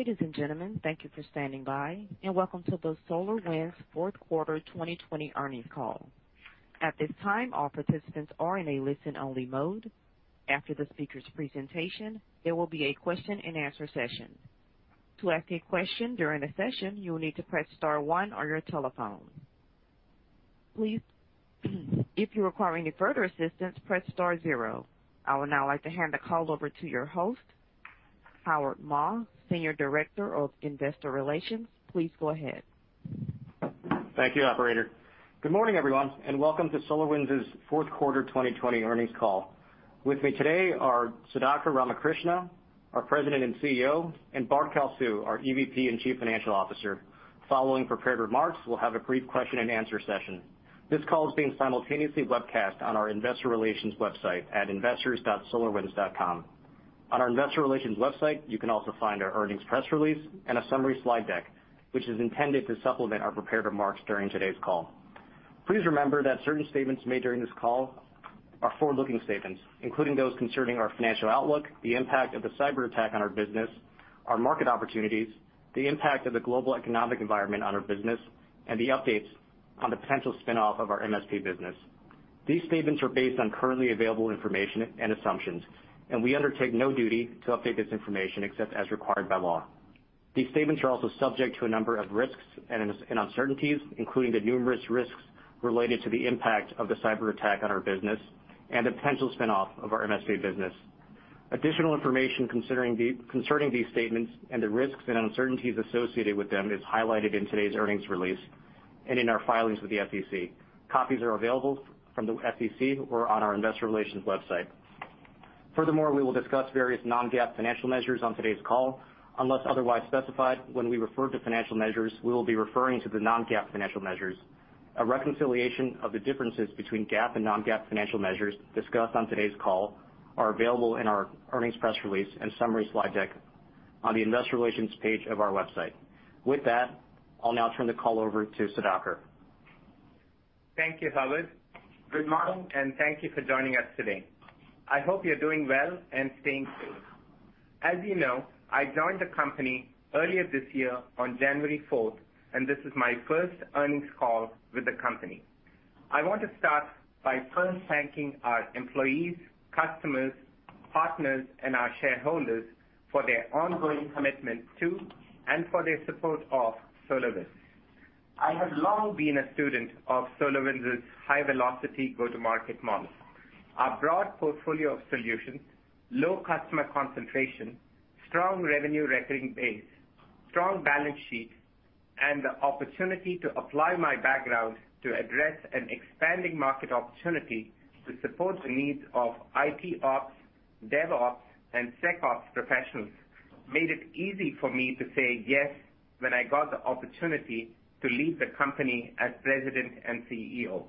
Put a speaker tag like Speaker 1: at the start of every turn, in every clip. Speaker 1: Ladies and gentlemen, thank you for standing by, and welcome to the SolarWinds Fourth Quarter 2020 Earnings Call. At this time, all participants are in a listen-only mode. After the speaker's presentation, there will be a question-and-answer session. To ask a question during the session you'll need to press star one on your telephone. Please if you're requiring further assistance press star zero. I would now like to hand the call over to your host, Howard Ma, Senior Director of Investor Relations. Please go ahead.
Speaker 2: Thank you, operator. Good morning, everyone, and welcome to SolarWinds' fourth quarter 2020 earnings call. With me today are Sudhakar Ramakrishna, our President and CEO, and Bart Kalsu, our EVP and Chief Financial Officer. Following prepared remarks, we'll have a brief question-and-answer session. This call is being simultaneously webcast on our Investor Relations website at investors.solarwinds.com. On our Investor Relations website, you can also find our earnings press release and a summary slide deck, which is intended to supplement our prepared remarks during today's call. Please remember that certain statements made during this call are forward-looking statements, including those concerning our financial outlook, the impact of the cyber attack on our business, our market opportunities, the impact of the global economic environment on our business, and the updates on the potential spin-off of our MSP business. These statements are based on currently available information and assumptions, and we undertake no duty to update this information except as required by law. These statements are also subject to a number of risks and uncertainties, including the numerous risks related to the impact of the cyber attack on our business and the potential spin-off of our MSP business. Additional information concerning these statements and the risks and uncertainties associated with them is highlighted in today's earnings release and in our filings with the SEC. Copies are available from the SEC or on our Investor Relations website. Furthermore, we will discuss various non-GAAP financial measures on today's call. Unless otherwise specified, when we refer to financial measures, we will be referring to the non-GAAP financial measures. A reconciliation of the differences between GAAP and non-GAAP financial measures discussed on today's call are available in our earnings press release and summary slide deck on the Investor Relations page of our website. With that, I'll now turn the call over to Sudhakar.
Speaker 3: Thank you, Howard. Good morning, and thank you for joining us today. I hope you're doing well and staying safe. As you know, I joined the company earlier this year on January 4th, and this is my first earnings call with the company. I want to start by first thanking our employees, customers, partners, and our shareholders for their ongoing commitment to and for their support of SolarWinds. I have long been a student of SolarWinds' high velocity go-to-market model. Our broad portfolio of solutions, low customer concentration, strong revenue recording base, strong balance sheet, and the opportunity to apply my background to address an expanding market opportunity to support the needs of ITOps, DevOps, and SecOps professionals made it easy for me to say yes when I got the opportunity to lead the company as President and CEO.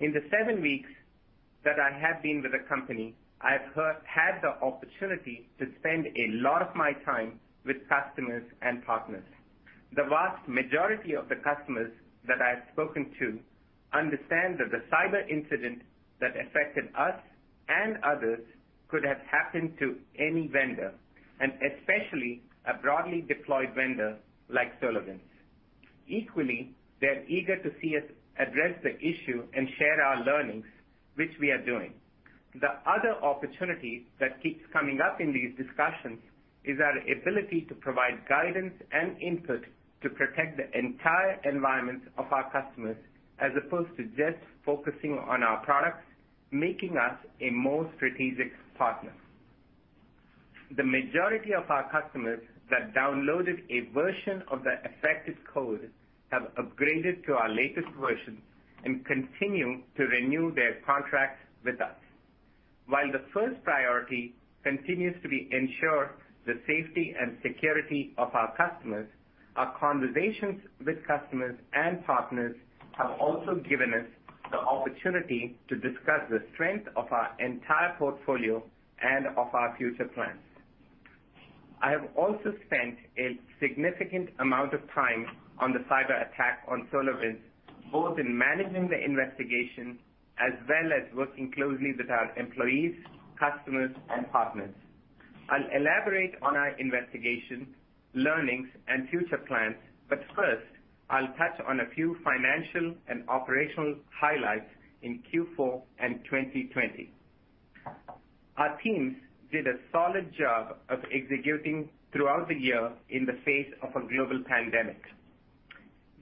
Speaker 3: In the seven weeks that I have been with the company, I have had the opportunity to spend a lot of my time with customers and partners. The vast majority of the customers that I've spoken to understand that the cyber incident that affected us and others could have happened to any vendor, and especially a broadly deployed vendor like SolarWinds. Equally, they're eager to see us address the issue and share our learnings, which we are doing. The other opportunity that keeps coming up in these discussions is our ability to provide guidance and input to protect the entire environment of our customers as opposed to just focusing on our products, making us a more strategic partner. The majority of our customers that downloaded a version of the affected code have upgraded to our latest version and continue to renew their contracts with us. While the first priority continues to be ensure the safety and security of our customers, our conversations with customers and partners have also given us the opportunity to discuss the strength of our entire portfolio and of our future plans. I have also spent a significant amount of time on the cyber attack on SolarWinds, both in managing the investigation as well as working closely with our employees, customers, and partners. I'll elaborate on our investigation, learnings, and future plans. First, I'll touch on a few financial and operational highlights in Q4 and 2020. Our teams did a solid job of executing throughout the year in the face of a global pandemic.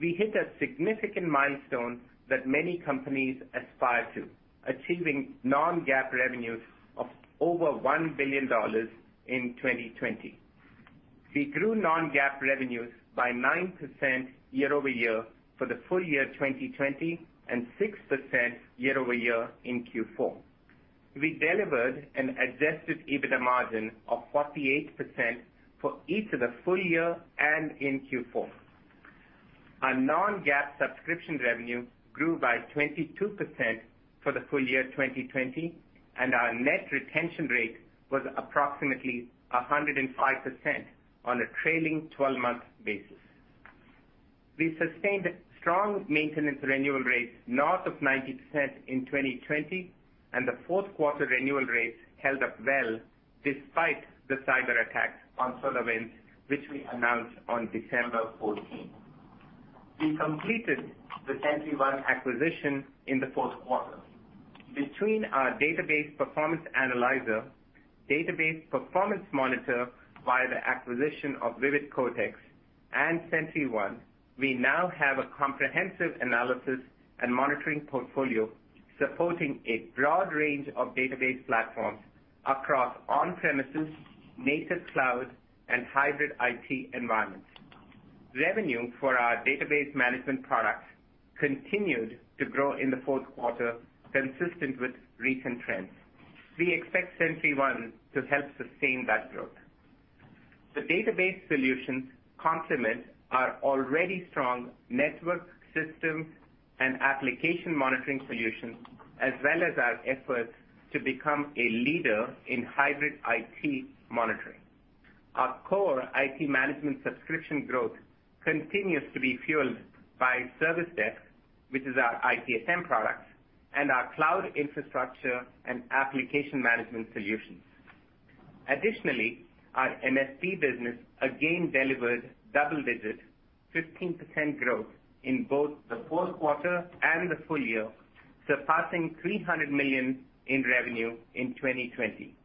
Speaker 3: We hit a significant milestone that many companies aspire to, achieving non-GAAP revenues of over $1 billion in 2020. We grew non-GAAP revenues by 9% year-over-year for the full year 2020 and 6% year-over-year in Q4. We delivered an adjusted EBITDA margin of 48% for each of the full year and in Q4. Our non-GAAP subscription revenue grew by 22% for the full year 2020, and our net retention rate was approximately 105% on a trailing 12-month basis. We sustained strong maintenance renewal rates north of 90% in 2020, and the fourth quarter renewal rates held up well despite the cyberattack on SolarWinds, which we announced on December 14th. We completed the SentryOne acquisition in the fourth quarter. Between our Database Performance Analyzer, Database Performance Monitor via the acquisition of VividCortex, and SentryOne, we now have a comprehensive analysis and monitoring portfolio supporting a broad range of database platforms across on-premises, native cloud, and hybrid IT environments. Revenue for our database management products continued to grow in the fourth quarter, consistent with recent trends. We expect SentryOne to help sustain that growth. The database solutions complement our already strong network, system, and application monitoring solutions, as well as our efforts to become a leader in hybrid IT monitoring. Our core IT management subscription growth continues to be fueled by Service Desk, which is our ITSM product, and our cloud infrastructure and application management solutions. Additionally, our MSP business again delivered double-digit 15% growth in both the fourth quarter and the full year, surpassing $300 million in revenue in 2020.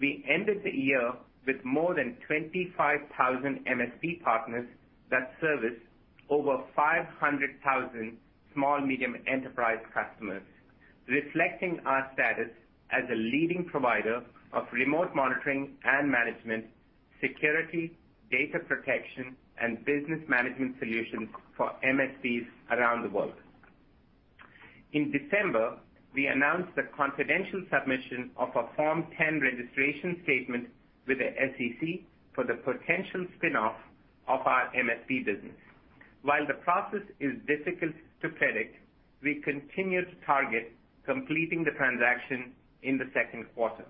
Speaker 3: We ended the year with more than 25,000 MSP partners that service over 500,000 small-medium enterprise customers, reflecting our status as a leading provider of remote monitoring and management, security, data protection, and business management solutions for MSPs around the world. In December, we announced the confidential submission of a Form 10 registration statement with the SEC for the potential spin-off of our MSP business. While the process is difficult to predict, we continue to target completing the transaction in the second quarter.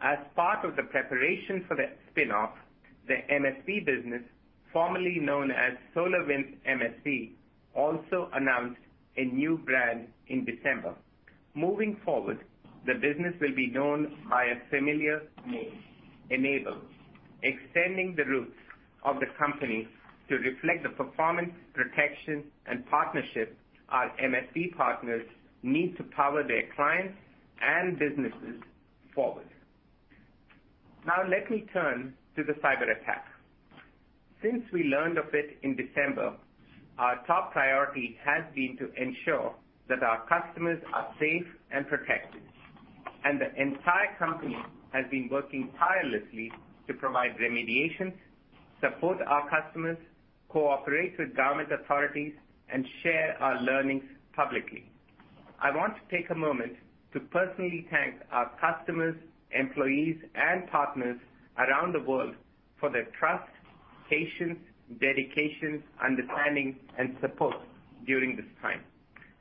Speaker 3: As part of the preparation for the spin-off, the MSP business, formerly known as SolarWinds MSP, also announced a new brand in December. Moving forward, the business will be known by a familiar name, N-able, extending the roots of the company to reflect the performance, protection, and partnership our MSP partners need to power their clients and businesses forward. Now let me turn to the cyberattack. Since we learned of it in December, our top priority has been to ensure that our customers are safe and protected, and the entire company has been working tirelessly to provide remediation, support our customers, cooperate with government authorities, and share our learnings publicly. I want to take a moment to personally thank our customers, employees, and partners around the world for their trust, patience, dedication, understanding, and support during this time.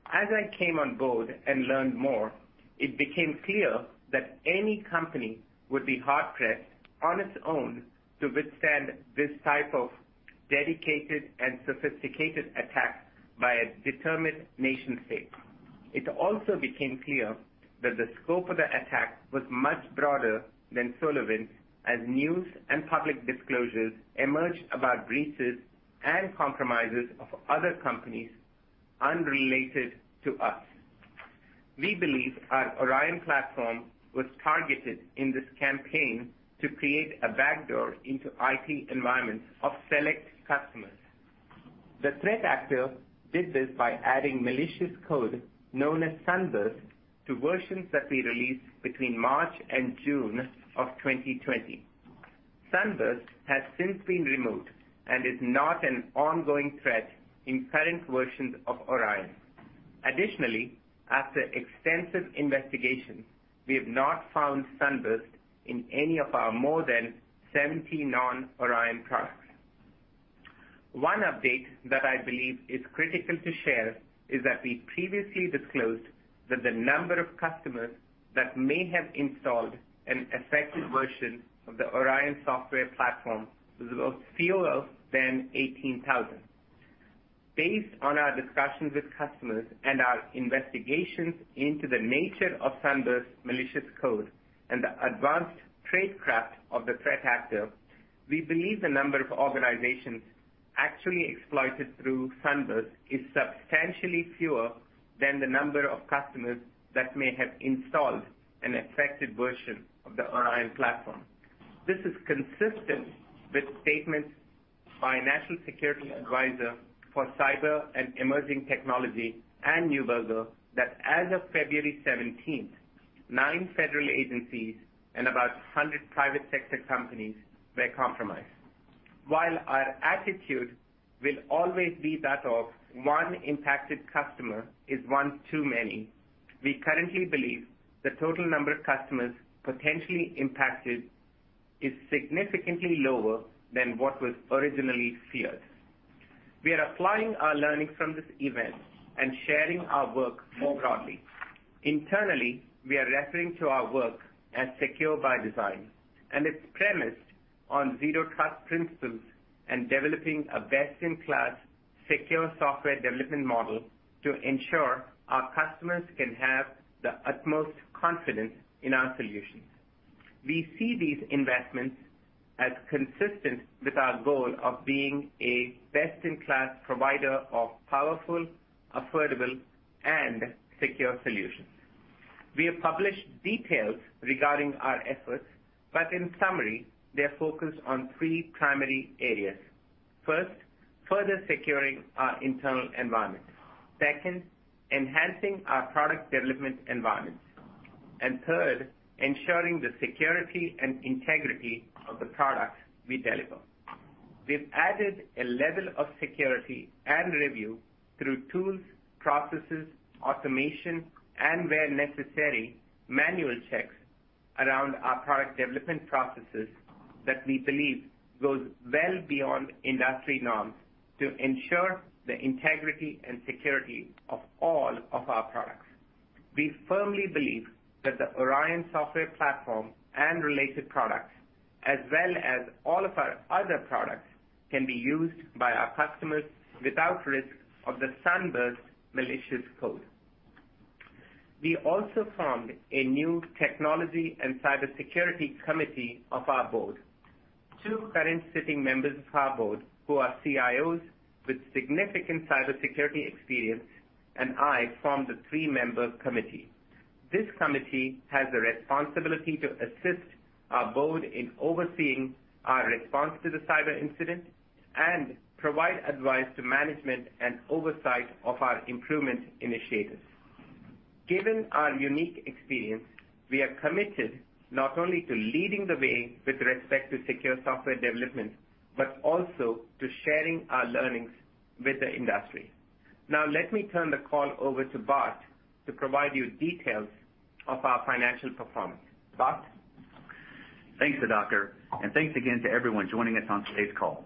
Speaker 3: As I came on board and learned more, it became clear that any company would be hard-pressed on its own to withstand this type of dedicated and sophisticated attack by a determined nation-state. It also became clear that the scope of the attack was much broader than SolarWinds as news and public disclosures emerged about breaches and compromises of other companies unrelated to us. We believe our Orion Platform was targeted in this campaign to create a backdoor into IT environments of select customers. The threat actor did this by adding malicious code known as SUNBURST to versions that we released between March and June of 2020. SUNBURST has since been removed and is not an ongoing threat in current versions of Orion. Additionally, after extensive investigation, we have not found SUNBURST in any of our more than 70 non-Orion products. One update that I believe is critical to share is that we previously disclosed that the number of customers that may have installed an affected version of the Orion software platform was fewer than 18,000. Based on our discussions with customers and our investigations into the nature of SUNBURST's malicious code and the advanced tradecraft of the threat actor, we believe the number of organizations actually exploited through SUNBURST is substantially fewer than the number of customers that may have installed an affected version of the Orion Platform. This is consistent with statements by National Security Advisor for Cyber and Emerging Technology, Anne Neuberger, that as of February 17th, nine federal agencies and about 100 private sector companies were compromised. While our attitude will always be that of one impacted customer is one too many, we currently believe the total number of customers potentially impacted is significantly lower than what was originally feared. We are applying our learnings from this event and sharing our work more broadly. Internally, we are referring to our work as Secure by Design, and it's premised on Zero Trust principles and developing a best-in-class secure software development model to ensure our customers can have the utmost confidence in our solutions. We see these investments as consistent with our goal of being a best-in-class provider of powerful, affordable, and secure solutions. We have published details regarding our efforts, but in summary, they are focused on three primary areas. First, further securing our internal environment. Second, enhancing our product development environments. Third, ensuring the security and integrity of the products we deliver. We've added a level of security and review through tools, processes, automation, and where necessary, manual checks around our product development processes that we believe goes well beyond industry norms to ensure the integrity and security of all of our products. We firmly believe that the Orion software platform and related products, as well as all of our other products, can be used by our customers without risk of the SUNBURST malicious code. We also formed a new technology and cybersecurity committee of our board. Two current sitting members of our board who are CIOs with significant cybersecurity experience and I form the three-member committee. This committee has a responsibility to assist our board in overseeing our response to the cyber incident and provide advice to management and oversight of our improvement initiatives. Given our unique experience, we are committed not only to leading the way with respect to secure software development, but also to sharing our learnings with the industry. Now, let me turn the call over to Bart to provide you details of our financial performance. Bart?
Speaker 4: Thanks, Sudhakar, and thanks again to everyone joining us on today's call.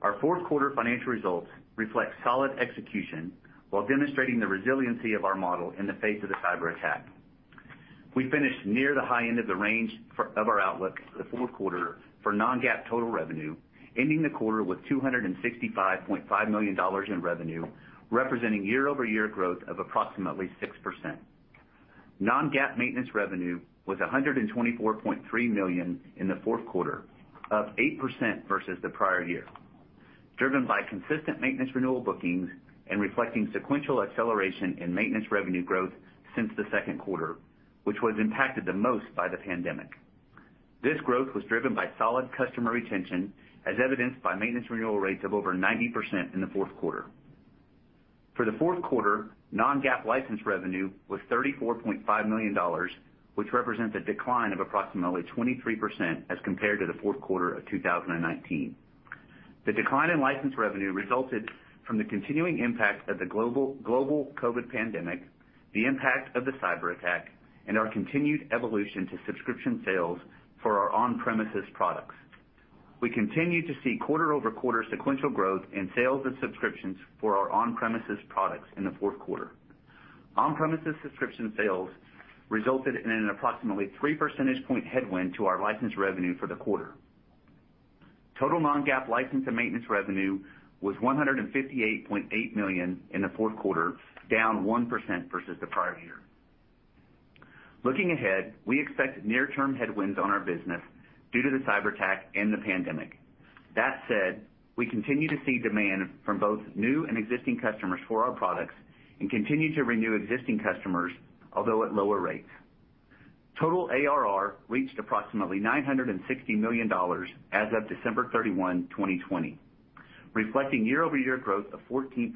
Speaker 4: Our fourth quarter financial results reflect solid execution while demonstrating the resiliency of our model in the face of the cyberattack. We finished near the high end of the range of our outlook for the fourth quarter for non-GAAP total revenue, ending the quarter with $265.5 million in revenue, representing year-over-year growth of approximately 6%. Non-GAAP maintenance revenue was $124.3 million in the fourth quarter, up 8% versus the prior year, driven by consistent maintenance renewal bookings and reflecting sequential acceleration in maintenance revenue growth since the second quarter, which was impacted the most by the pandemic. This growth was driven by solid customer retention, as evidenced by maintenance renewal rates of over 90% in the fourth quarter. For the fourth quarter, non-GAAP license revenue was $34.5 million, which represents a decline of approximately 23% as compared to the fourth quarter of 2019. The decline in license revenue resulted from the continuing impact of the global COVID pandemic, the impact of the cyberattack, and our continued evolution to subscription sales for our on-premises products. We continue to see quarter-over-quarter sequential growth in sales and subscriptions for our on-premises products in the fourth quarter. On-premises subscription sales resulted in an approximately 3 percentage point headwind to our license revenue for the quarter. Total non-GAAP license and maintenance revenue was $158.8 million in the fourth quarter, down 1% versus the prior year. Looking ahead, we expect near-term headwinds on our business due to the cyberattack and the pandemic. That said, we continue to see demand from both new and existing customers for our products and continue to renew existing customers, although at lower rates. Total ARR reached approximately $960 million as of December 31, 2020, reflecting year-over-year growth of 14%,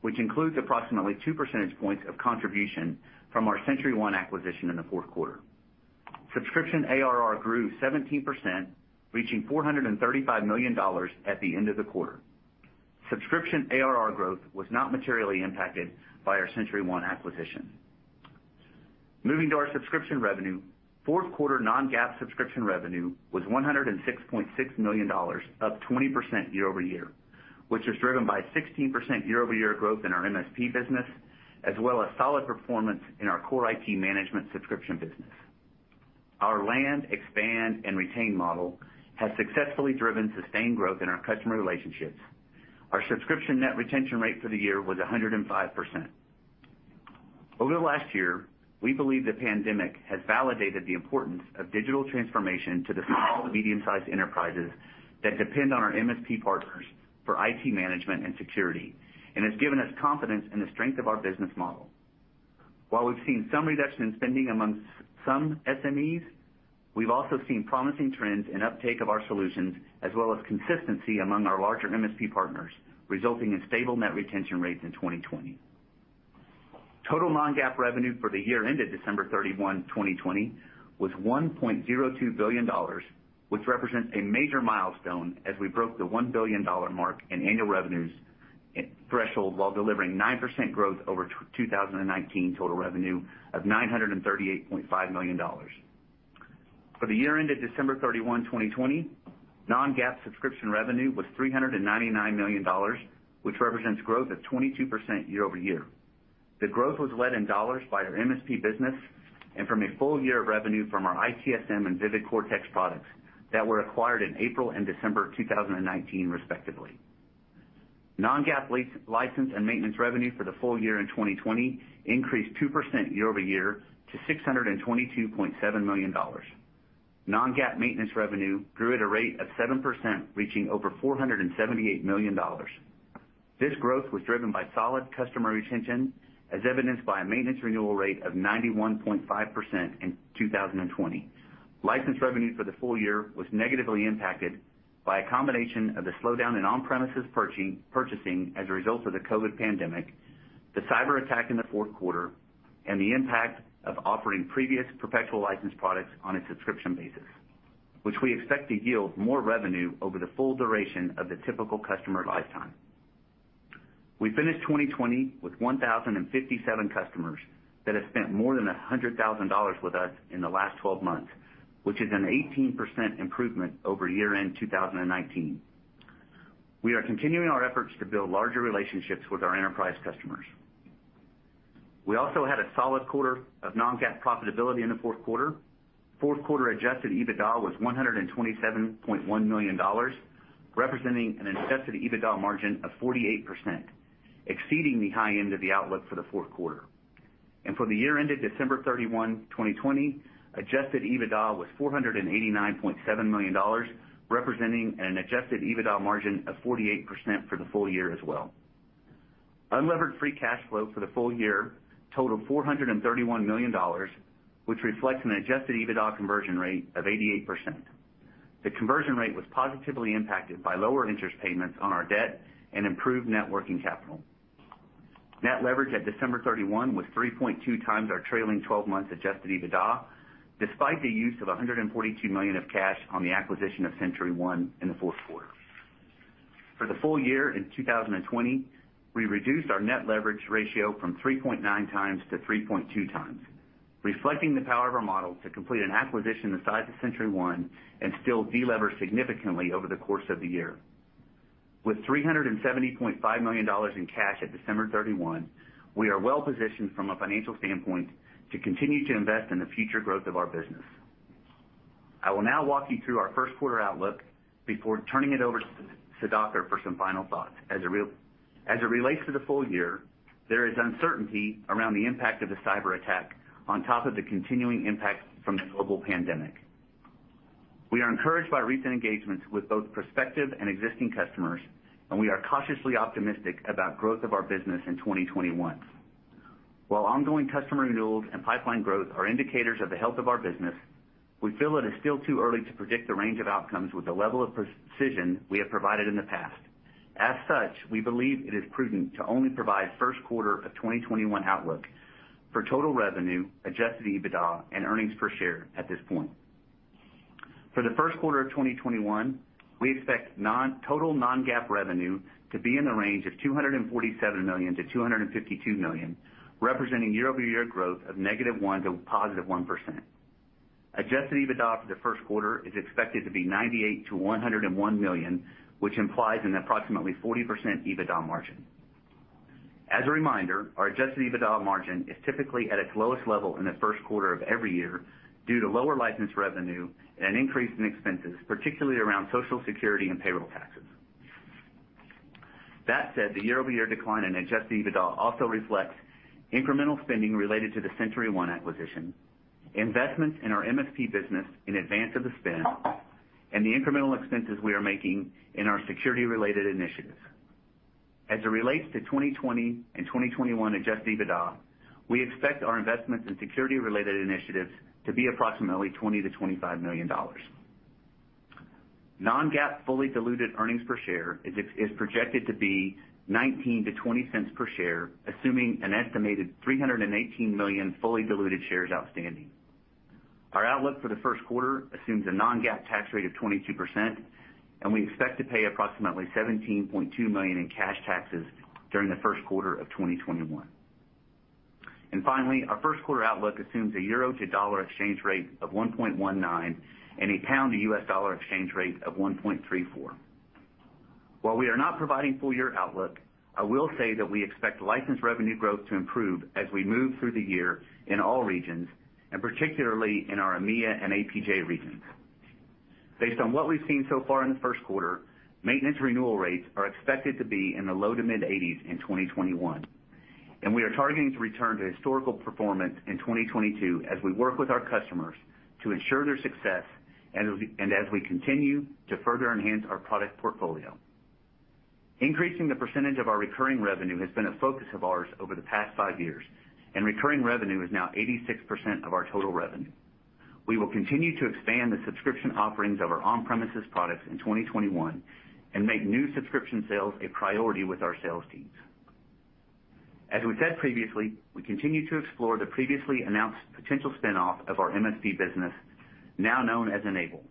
Speaker 4: which includes approximately 2 percentage point of contribution from our SentryOne acquisition in the fourth quarter. Subscription ARR grew 17%, reaching $435 million at the end of the quarter. Subscription ARR growth was not materially impacted by our SentryOne acquisition. Moving to our subscription revenue, fourth quarter non-GAAP subscription revenue was $106.6 million, up 20% year-over-year, which was driven by 16% year-over-year growth in our MSP business, as well as solid performance in our core IT management subscription business. Our land, expand, and retain model has successfully driven sustained growth in our customer relationships. Our subscription net retention rate for the year was 105%. Over the last year, we believe the pandemic has validated the importance of digital transformation to the small to medium-sized enterprises that depend on our MSP partners for IT management and security and has given us confidence in the strength of our business model. While we've seen some reduction in spending amongst some SMEs, we've also seen promising trends in uptake of our solutions, as well as consistency among our larger MSP partners, resulting in stable net retention rates in 2020. Total non-GAAP revenue for the year ended December 31, 2020, was $1.02 billion, which represents a major milestone as we broke the $1 billion mark in annual revenues threshold while delivering 9% growth over 2019 total revenue of $938.5 million. For the year ended December 31, 2020, non-GAAP subscription revenue was $399 million, which represents growth of 22% year-over-year. The growth was led in dollars by our MSP business and from a full year of revenue from our ITSM and VividCortex products that were acquired in April and December 2019, respectively. Non-GAAP license and maintenance revenue for the full year in 2020 increased 2% year-over-year to $622.7 million. Non-GAAP maintenance revenue grew at a rate of 7%, reaching over $478 million. This growth was driven by solid customer retention, as evidenced by a maintenance renewal rate of 91.5% in 2020. License revenue for the full year was negatively impacted by a combination of the slowdown in on-premises purchasing as a result of the COVID pandemic, the cyber attack in the fourth quarter, and the impact of offering previous perpetual license products on a subscription basis, which we expect to yield more revenue over the full duration of the typical customer lifetime. We finished 2020 with 1,057 customers that have spent more than $100,000 with us in the last 12 months, which is an 18% improvement over year-end 2019. We are continuing our efforts to build larger relationships with our enterprise customers. We also had a solid quarter of non-GAAP profitability in the fourth quarter. Fourth quarter adjusted EBITDA was $127.1 million, representing an adjusted EBITDA margin of 48%, exceeding the high end of the outlook for the fourth quarter. For the year ended December 31, 2020, adjusted EBITDA was $489.7 million, representing an adjusted EBITDA margin of 48% for the full year as well. Unlevered free cash flow for the full year totaled $431 million, which reflects an adjusted EBITDA conversion rate of 88%. The conversion rate was positively impacted by lower interest payments on our debt and improved net working capital. Net leverage at December 31 was 3.2x our trailing 12-month adjusted EBITDA, despite the use of $142 million of cash on the acquisition of SentryOne in the fourth quarter. For the full year in 2020, we reduced our net leverage ratio from 3.9x-3.2x, reflecting the power of our model to complete an acquisition the size of SentryOne and still de-lever significantly over the course of the year. With $370.5 million in cash at December 31, we are well-positioned from a financial standpoint to continue to invest in the future growth of our business. I will now walk you through our first quarter outlook before turning it over to Sudhakar for some final thoughts. As it relates to the full year, there is uncertainty around the impact of the cyber attack on top of the continuing impact from the global pandemic. We are encouraged by recent engagements with both prospective and existing customers, and we are cautiously optimistic about growth of our business in 2021. While ongoing customer renewals and pipeline growth are indicators of the health of our business, we feel it is still too early to predict the range of outcomes with the level of precision we have provided in the past. As such, we believe it is prudent to only provide first quarter of 2021 outlook for total revenue, adjusted EBITDA, and earnings per share at this point. For the first quarter of 2021, we expect total non-GAAP revenue to be in the range of $247 million-$252 million, representing year-over-year growth of -1% to +1%. Adjusted EBITDA for the first quarter is expected to be $98 million-$101 million, which implies an approximately 40% EBITDA margin. As a reminder, our adjusted EBITDA margin is typically at its lowest level in the first quarter of every year due to lower license revenue and an increase in expenses, particularly around Social Security and payroll taxes. That said, the year-over-year decline in adjusted EBITDA also reflects incremental spending related to the SentryOne acquisition, investments in our MSP business in advance of the spin, and the incremental expenses we are making in our security-related initiatives. As it relates to 2020 and 2021 adjusted EBITDA, we expect our investments in security-related initiatives to be approximately $20 million-$25 million. Non-GAAP fully diluted earnings per share is projected to be $0.19-$0.20 per share, assuming an estimated 318 million fully diluted shares outstanding. Our outlook for the first quarter assumes a non-GAAP tax rate of 22%, and we expect to pay approximately $17.2 million in cash taxes during the first quarter of 2021. Our first quarter outlook assumes a euro to dollar exchange rate of 1.19 and a pound to U.S. dollar exchange rate of 1.34. While we are not providing full year outlook, I will say that we expect license revenue growth to improve as we move through the year in all regions, and particularly in our EMEA and APJ regions. Based on what we've seen so far in the first quarter, maintenance renewal rates are expected to be in the low to mid-80s in 2021, and we are targeting to return to historical performance in 2022 as we work with our customers to ensure their success and as we continue to further enhance our product portfolio. Increasing the percentage of our recurring revenue has been a focus of ours over the past five years, and recurring revenue is now 86% of our total revenue. We will continue to expand the subscription offerings of our on-premises products in 2021 and make new subscription sales a priority with our sales teams. As we said previously, we continue to explore the previously announced potential spin-off of our MSP business, now known as N-able,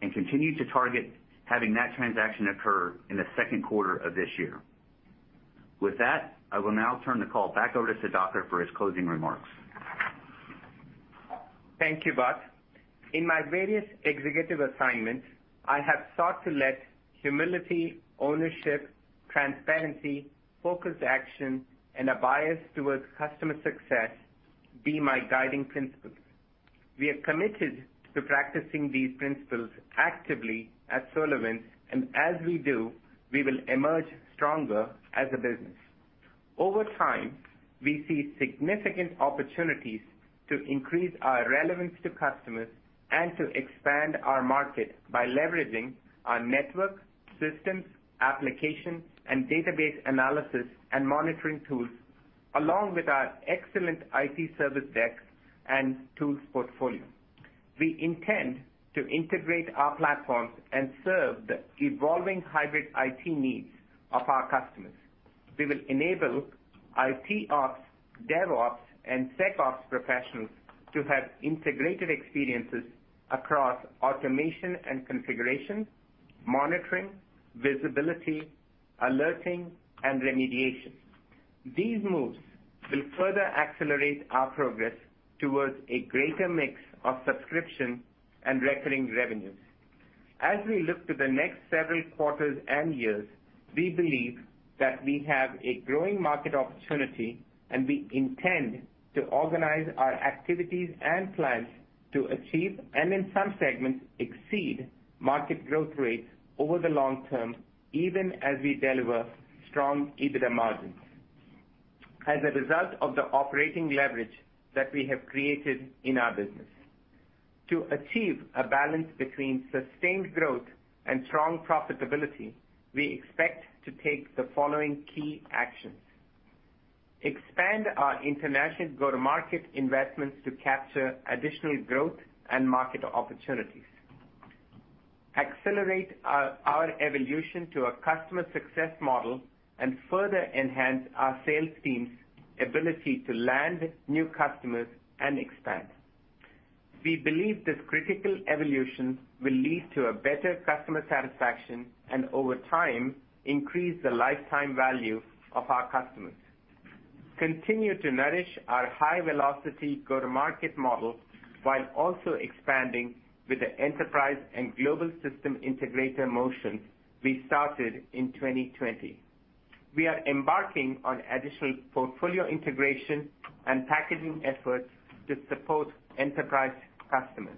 Speaker 4: and continue to target having that transaction occur in the second quarter of this year. With that, I will now turn the call back over to Sudhakar for his closing remarks.
Speaker 3: Thank you, Bart. In my various executive assignments, I have sought to let humility, ownership, transparency, focused action, and a bias towards customer success be my guiding principles. We are committed to practicing these principles actively at SolarWinds, and as we do, we will emerge stronger as a business. Over time, we see significant opportunities to increase our relevance to customers and to expand our market by leveraging our network, systems, application, and database analysis and monitoring tools, along with our excellent IT Service Desk and tools portfolio. We intend to integrate our platforms and serve the evolving hybrid IT needs of our customers. We will enable ITOps, DevOps, and SecOps professionals to have integrated experiences across automation and configuration, monitoring, visibility, alerting, and remediation. These moves will further accelerate our progress towards a greater mix of subscription and recurring revenues. As we look to the next several quarters and years, we believe that we have a growing market opportunity, and we intend to organize our activities and plans to achieve, and in some segments, exceed market growth rates over the long term, even as we deliver strong EBITDA margins as a result of the operating leverage that we have created in our business. To achieve a balance between sustained growth and strong profitability, we expect to take the following key actions. Expand our international go-to-market investments to capture additional growth and market opportunities. Accelerate our evolution to a customer success model and further enhance our sales team's ability to land new customers and expand. We believe this critical evolution will lead to a better customer satisfaction and, over time, increase the lifetime value of our customers. Continue to nourish our high-velocity go-to-market model while also expanding with the enterprise and global system integrator motion we started in 2020. We are embarking on additional portfolio integration and packaging efforts to support enterprise customers.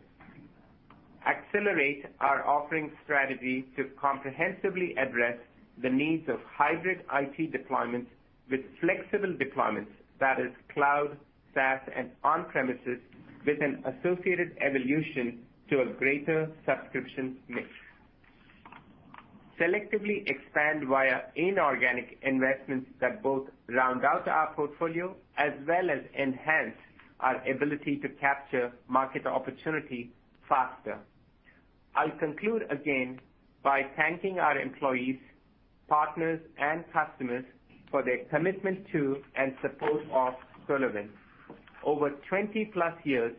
Speaker 3: Accelerate our offering strategy to comprehensively address the needs of hybrid IT deployments with flexible deployments, that is cloud, SaaS, and on-premises, with an associated evolution to a greater subscription mix. Selectively expand via inorganic investments that both round out our portfolio as well as enhance our ability to capture market opportunity faster. I'll conclude again by thanking our employees, partners, and customers for their commitment to and support of SolarWinds. Over 20+ years,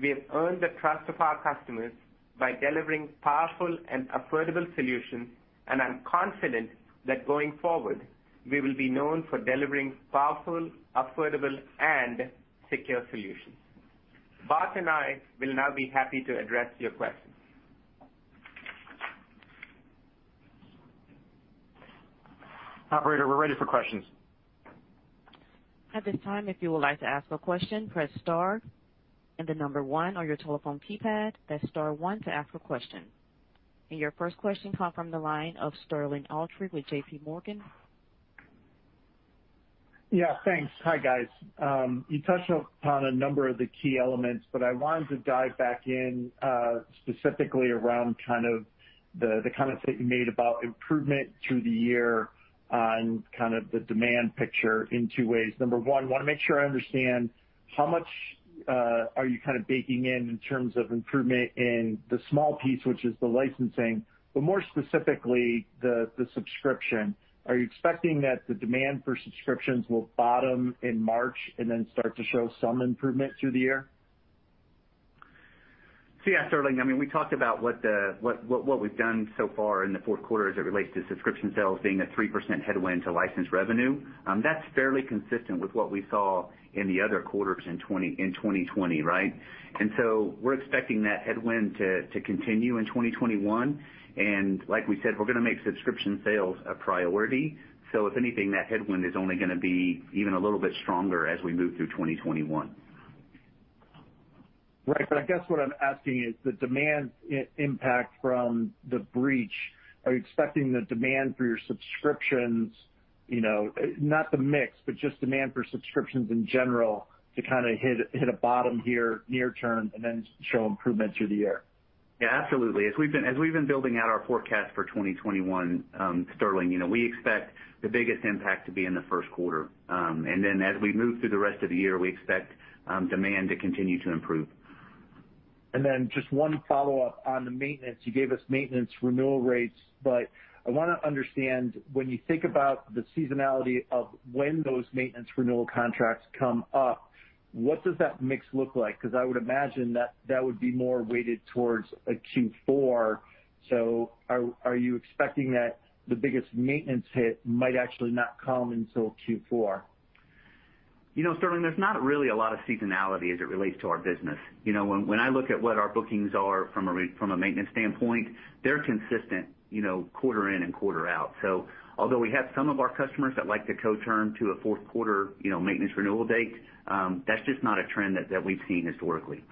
Speaker 3: we have earned the trust of our customers by delivering powerful and affordable solutions, and I'm confident that going forward, we will be known for delivering powerful, affordable, and secure solutions. Bart and I will now be happy to address your questions.
Speaker 2: Operator, we're ready for questions.
Speaker 1: At this time if you would like to ask a question press star and then number one on your telephone keypad. That's star one to ask a question. Your first question comes from the line of Sterling Auty with JPMorgan.
Speaker 5: Yeah, thanks. Hi, guys. You touched upon a number of the key elements, but I wanted to dive back in, specifically around the comments that you made about improvement through the year on the demand picture in two ways. Number one, I want to make sure I understand how much are you baking in in terms of improvement in the small piece, which is the licensing, but more specifically, the subscription. Are you expecting that the demand for subscriptions will bottom in March and then start to show some improvement through the year?
Speaker 4: Yeah, Sterling, we talked about what we've done so far in the fourth quarter as it relates to subscription sales being a 3% headwind to license revenue. That's fairly consistent with what we saw in the other quarters in 2020, right? We're expecting that headwind to continue in 2021. Like we said, we're going to make subscription sales a priority. If anything, that headwind is only going to be even a little bit stronger as we move through 2021.
Speaker 5: Right. I guess what I'm asking is the demand impact from the breach. Are you expecting the demand for your subscriptions, not the mix, but just demand for subscriptions in general to hit a bottom here near term and then show improvement through the year?
Speaker 4: Yeah, absolutely. As we've been building out our forecast for 2021, Sterling, we expect the biggest impact to be in the first quarter. As we move through the rest of the year, we expect demand to continue to improve.
Speaker 5: Just one follow-up on the maintenance. You gave us maintenance renewal rates, but I want to understand, when you think about the seasonality of when those maintenance renewal contracts come up, what does that mix look like? I would imagine that that would be more weighted towards a Q4. Are you expecting that the biggest maintenance hit might actually not come until Q4?
Speaker 4: Sterling, there's not really a lot of seasonality as it relates to our business. When I look at what our bookings are from a maintenance standpoint, they're consistent quarter in and quarter out. Although we have some of our customers that like to co-term to a fourth quarter maintenance renewal date, that's just not a trend that we've seen historically.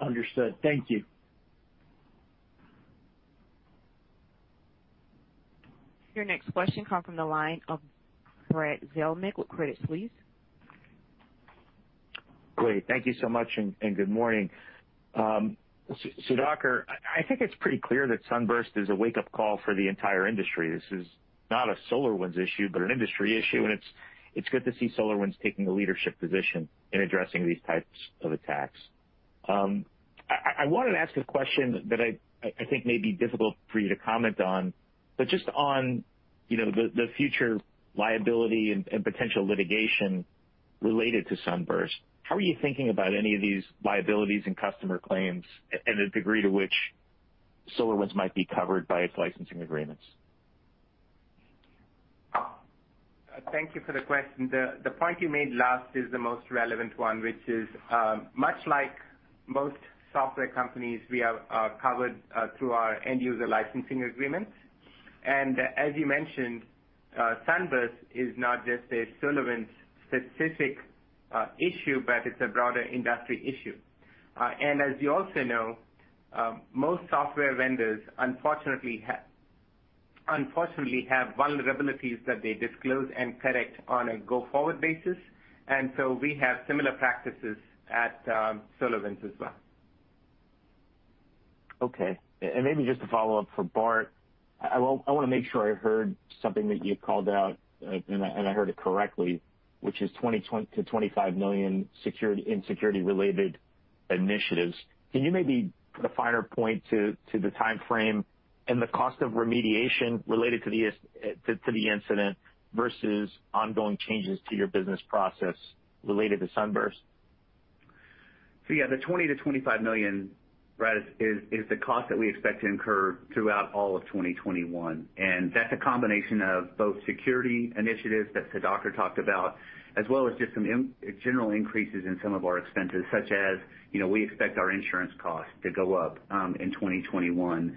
Speaker 5: Understood. Thank you.
Speaker 1: Your next question comes from the line of Brad Zelnick with Credit Suisse.
Speaker 6: Great. Thank you so much. Good morning. Sudhakar, I think it's pretty clear that SUNBURST is a wake-up call for the entire industry. This is not a SolarWinds issue, but an industry issue, and it's good to see SolarWinds taking a leadership position in addressing these types of attacks. I wanted to ask a question that I think may be difficult for you to comment on, but just on the future liability and potential litigation related to SUNBURST. How are you thinking about any of these liabilities and customer claims, and the degree to which SolarWinds might be covered by its licensing agreements?
Speaker 3: Thank you for the question. The point you made last is the most relevant one, which is, much like most software companies, we are covered through our end-user licensing agreements. As you mentioned, SUNBURST is not just a SolarWinds specific issue, but it's a broader industry issue. As you also know, most software vendors unfortunately have vulnerabilities that they disclose and correct on a go-forward basis. We have similar practices at SolarWinds as well.
Speaker 6: Okay. Maybe just to follow up for Bart, I want to make sure I heard something that you called out, and I heard it correctly, which is $20 million-$25 million in security-related initiatives. Can you maybe put a finer point to the timeframe and the cost of remediation related to the incident versus ongoing changes to your business process related to SUNBURST?
Speaker 4: Yeah, the $20 million-$25 million, Brad, is the cost that we expect to incur throughout all of 2021. That's a combination of both security initiatives that Sudhakar talked about, as well as just some general increases in some of our expenses, such as, we expect our insurance costs to go up in 2021.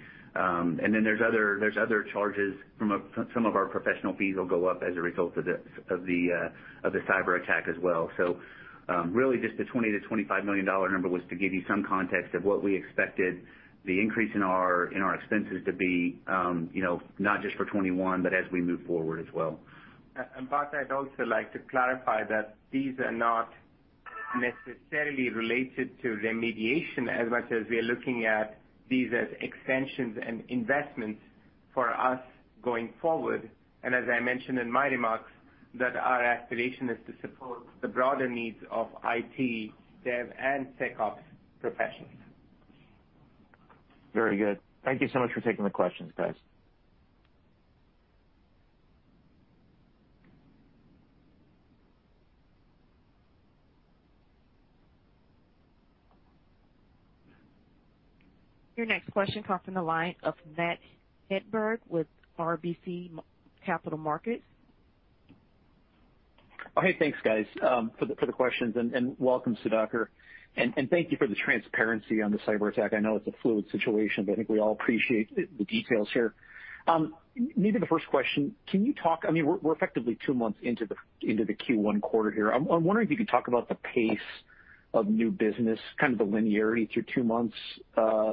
Speaker 4: There's other charges from some of our professional fees will go up as a result of the cyber attack as well. Really just the $20 million-$25 million number was to give you some context of what we expected the increase in our expenses to be, not just for 2021, but as we move forward as well.
Speaker 3: Bart, I'd also like to clarify that these are not necessarily related to remediation as much as we are looking at these as extensions and investments for us going forward. As I mentioned in my remarks, that our aspiration is to support the broader needs of IT, dev, and SecOps professionals.
Speaker 6: Very good. Thank you so much for taking the questions, guys.
Speaker 1: Your next question comes from the line of Matt Hedberg with RBC Capital Markets.
Speaker 7: Hey, thanks guys, for the questions and welcome, Sudhakar. Thank you for the transparency on the cyber attack. I know it's a fluid situation, but I think we all appreciate the details here. Maybe the first question. We're effectively two months into the Q1 quarter here. I'm wondering if you could talk about the pace of new business, kind of the linearity through two months,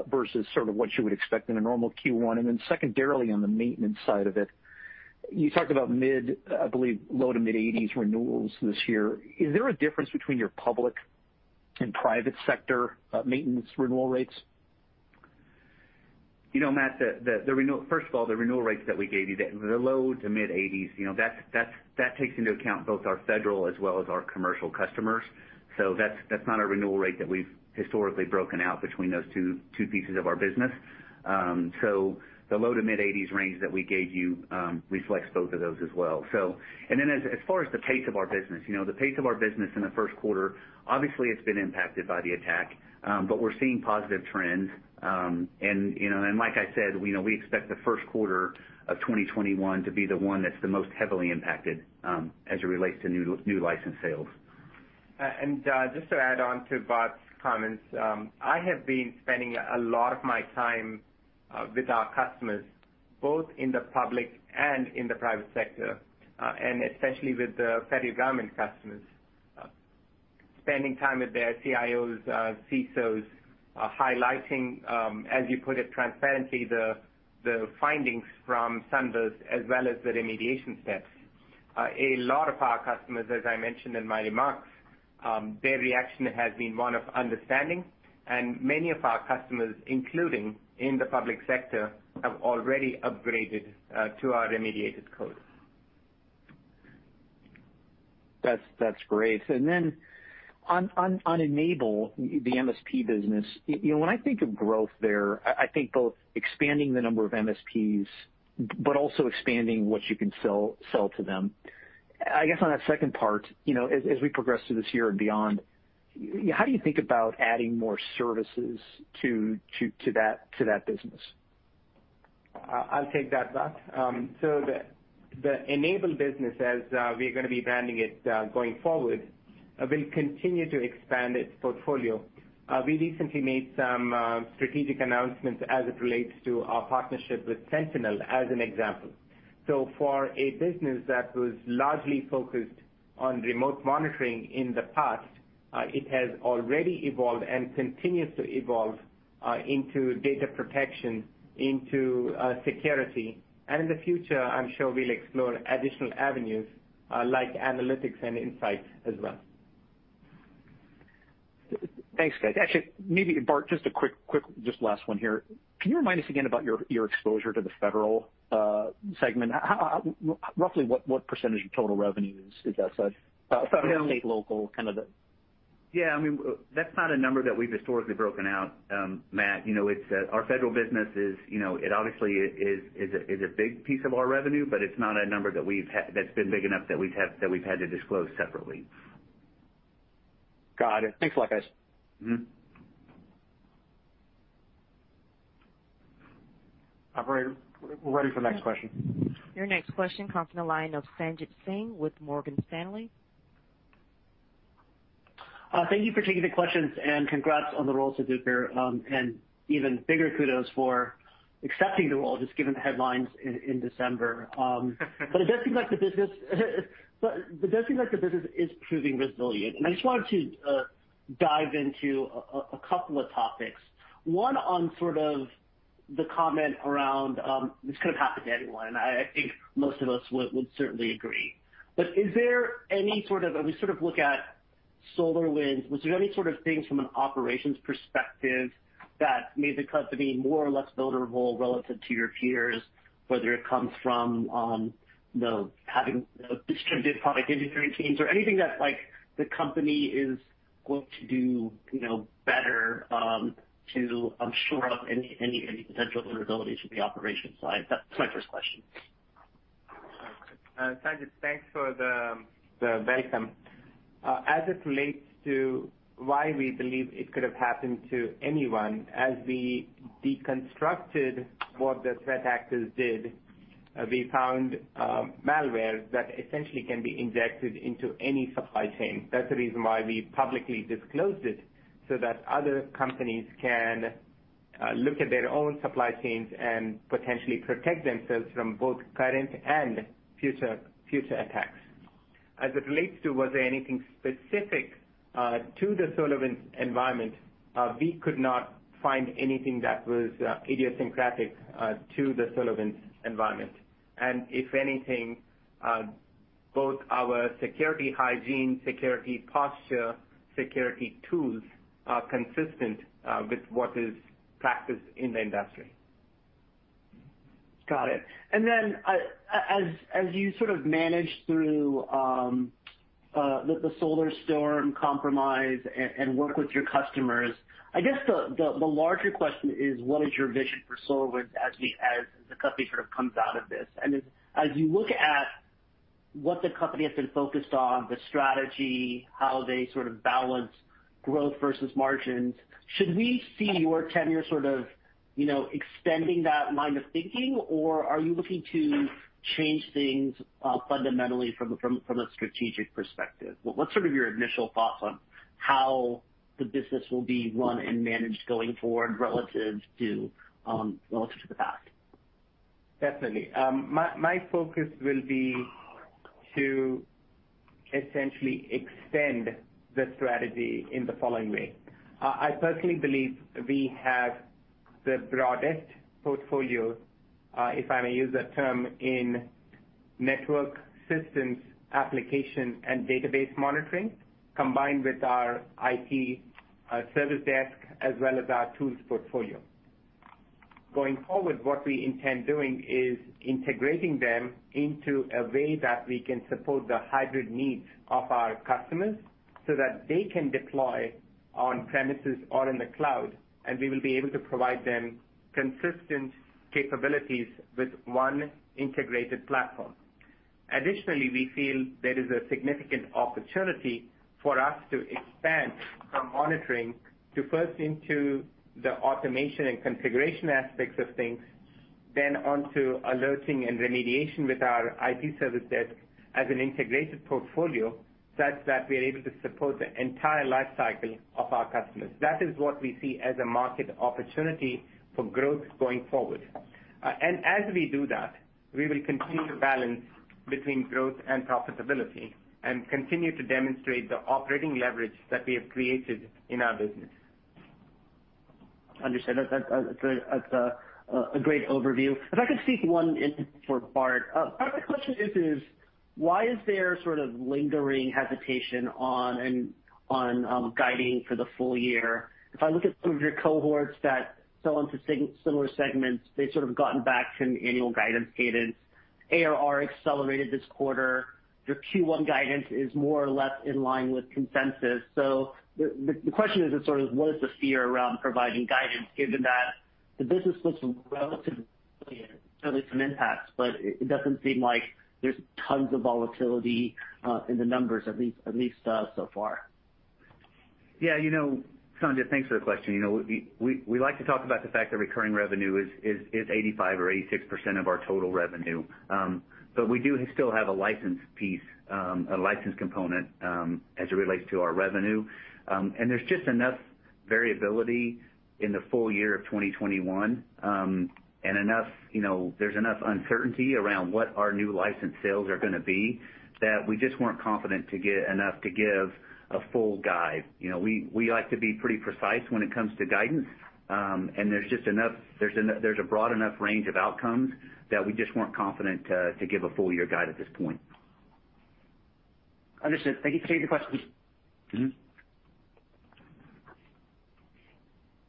Speaker 7: versus sort of what you would expect in a normal Q1. Then secondarily, on the maintenance side of it, you talked about, I believe, low to mid-80s renewals this year. Is there a difference between your public and private sector maintenance renewal rates?
Speaker 4: Matt, first of all, the renewal rates that we gave you, the low to mid-80s, that takes into account both our federal as well as our commercial customers. That's not a renewal rate that we've historically broken out between those two pieces of our business. The low to mid-80s range that we gave you reflects both of those as well. As far as the pace of our business, the pace of our business in the first quarter, obviously it's been impacted by the attack, but we're seeing positive trends. Like I said, we expect the first quarter of 2021 to be the one that's the most heavily impacted, as it relates to new license sales.
Speaker 3: Just to add on to Bart's comments, I have been spending a lot of my time with our customers, both in the public and in the private sector, and especially with the federal government customers. Spending time with their CIOs, CISOs, highlighting, as you put it transparently, the findings from SUNBURST as well as the remediation steps. A lot of our customers, as I mentioned in my remarks, their reaction has been one of understanding, and many of our customers, including in the public sector, have already upgraded to our remediated code.
Speaker 7: That's great. On N-able, the MSP business, when I think of growth there, I think both expanding the number of MSPs, but also expanding what you can sell to them. I guess on that second part, as we progress through this year and beyond, how do you think about adding more services to that business?
Speaker 3: I'll take that, Matt. The N-able business, as we're going to be branding it going forward, will continue to expand its portfolio. We recently made some strategic announcements as it relates to our partnership with Sentinel, as an example. For a business that was largely focused on remote monitoring in the past, it has already evolved and continues to evolve into data protection, into security. In the future, I'm sure we'll explore additional avenues like analytics and insights as well.
Speaker 7: Thanks, guys. Actually, maybe Bart, just a quick last one here. Can you remind us again about your exposure to the federal segment? Roughly what percentage of total revenue is that? Federal, state, local.
Speaker 4: Yeah. That's not a number that we've historically broken out, Matt. Our federal business obviously is a big piece of our revenue, but it's not a number that's been big enough that we've had to disclose separately.
Speaker 7: Got it. Thanks a lot, guys.
Speaker 2: Operator, we're ready for the next question.
Speaker 1: Your next question comes from the line of Sanjit Singh with Morgan Stanley.
Speaker 8: Thank you for taking the questions. Congrats on the role, Sudhakar, and even bigger kudos for accepting the role, just given the headlines in December. It does seem like the business is proving resilient, I just wanted to dive into a couple of topics. One on the comment around this could have happened to anyone. I think most of us would certainly agree. As we look at SolarWinds, was there any sort of things from an operations perspective that made the company more or less vulnerable relative to your peers, whether it comes from having distributed product engineering teams or anything that the company is going to do better to shore up any potential vulnerabilities from the operations side? That's my first question.
Speaker 3: Sanjit, thanks for the welcome. As it relates to why we believe it could have happened to anyone, as we deconstructed what the threat actors did, we found malware that essentially can be injected into any supply chain. That's the reason why we publicly disclosed it, so that other companies can look at their own supply chains and potentially protect themselves from both current and future attacks. As it relates to was there anything specific to the SolarWinds environment, we could not find anything that was idiosyncratic to the SolarWinds environment. If anything, both our security hygiene, security posture, security tools are consistent with what is practiced in the industry.
Speaker 8: Got it. Then as you sort of manage through the SolarStorm compromise and work with your customers, I guess the larger question is, what is your vision for SolarWinds as the company sort of comes out of this? As you look at what the company has been focused on, the strategy, how they sort of balance growth versus margins, should we see your tenure sort of extending that line of thinking, or are you looking to change things fundamentally from a strategic perspective? What's sort of your initial thoughts on how the business will be run and managed going forward relative to the past?
Speaker 3: Definitely. My focus will be to essentially extend the strategy in the following way. I personally believe we have the broadest portfolio, if I may use that term, in network systems, application, and database monitoring, combined with our IT Service Desk as well as our tools portfolio. Going forward, what we intend doing is integrating them into a way that we can support the hybrid needs of our customers so that they can deploy on premises or in the cloud, and we will be able to provide them consistent capabilities with one integrated platform. Additionally, we feel there is a significant opportunity for us to expand from monitoring to first into the automation and configuration aspects of things, then onto alerting and remediation with our IT Service Desk as an integrated portfolio, such that we are able to support the entire life cycle of our customers. That is what we see as a market opportunity for growth going forward. As we do that, we will continue to balance between growth and profitability and continue to demonstrate the operating leverage that we have created in our business.
Speaker 8: Understood. That's a great overview. If I could sneak one in for Bart. Bart, my question is, why is there sort of lingering hesitation on guiding for the full year? If I look at some of your cohorts that sell into similar segments, they've sort of gotten back to annual guidance cadence. ARR accelerated this quarter. Your Q1 guidance is more or less in line with consensus. The question is sort of what is the fear around providing guidance, given that the business looks relatively some impacts, but it doesn't seem like there's tons of volatility in the numbers, at least so far.
Speaker 4: Sanjit, thanks for the question. We like to talk about the fact that recurring revenue is 85% or 86% of our total revenue. We do still have a license piece, a license component, as it relates to our revenue. There's just enough variability in the full year of 2021, and there's enough uncertainty around what our new license sales are going to be that we just weren't confident enough to give a full guide. We like to be pretty precise when it comes to guidance. There's a broad enough range of outcomes that we just weren't confident to give a full year guide at this point.
Speaker 8: Understood. Thank you. Appreciate the question.